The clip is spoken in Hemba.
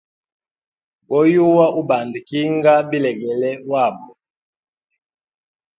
Goyuwa ubanda kinga bilegele wabo.